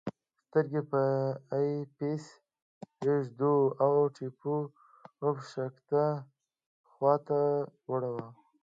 سترګې په آی پیس ږدو او ټیوب ښکته خواته وړو.